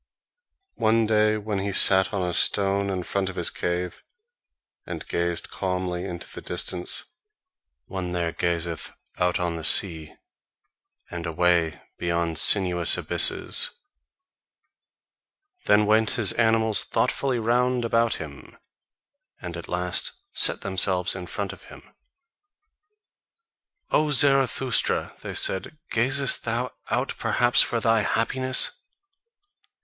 One day when he sat on a stone in front of his cave, and gazed calmly into the distance one there gazeth out on the sea, and away beyond sinuous abysses, then went his animals thoughtfully round about him, and at last set themselves in front of him. "O Zarathustra," said they, "gazest thou out perhaps for thy happiness?"